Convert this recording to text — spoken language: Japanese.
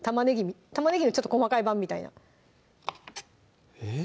玉ねぎのちょっと細かい版みたいなえっ？